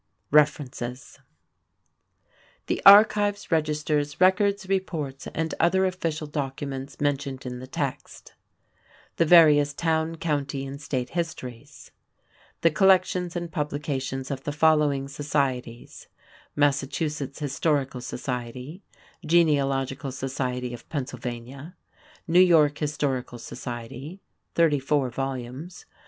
REFERENCES: The archives, registers, records, reports, and other official documents mentioned in the text; the various Town, County, and State Histories; the collections and publications of the following societies: Massachusetts Historical Society, Genealogical Society of Pennsylvania, New York Historical Society (34 vols.)